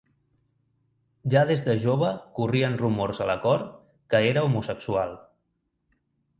Ja des de jove corrien rumors a la cort que era homosexual.